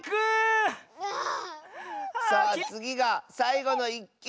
さあつぎがさいごの１きゅう！